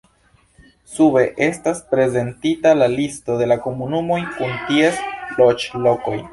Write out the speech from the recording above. Sube estas prezentita la listo de la komunumoj kun ties loĝlokoj.